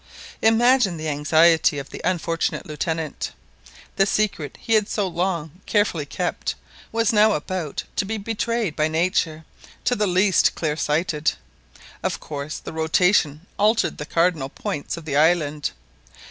Imagine the anxiety of the unfortunate Lieutenant. The secret he had so long carefully kept was now about to be betrayed by nature to the least clear sighted. Of course the rotation altered the cardinal points of the island.